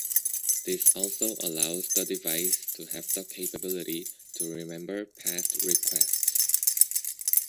This also allows the device to have the capability to remember past requests.